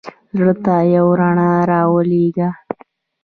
زړه ته یوه رڼا را ولېږه.